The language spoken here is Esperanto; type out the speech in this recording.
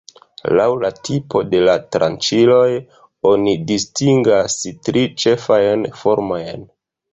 Laŭ la tipo de la tranĉiloj oni distingas tri ĉefajn formojn.